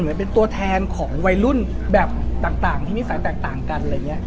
มันเป็นตัวแทนของวัยรุ่นแบบต่างที่มิสัยแตกต่างกัน